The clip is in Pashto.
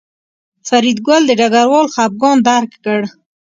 فریدګل د ډګروال خپګان درک کړ